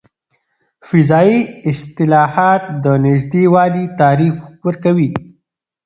فضايي اصطلاحات د نږدې والي تعریف ورکوي.